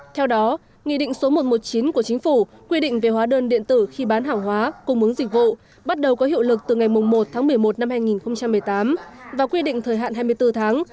theo đó nghị định số một trăm một mươi chín của chính phủ quy định về hóa đơn điện tử khi bán hàng hóa cung ứng dịch vụ bắt đầu có hiệu lực từ ngày một tháng một mươi một năm hai nghìn một mươi tám và quy định thời hạn hai mươi bốn tháng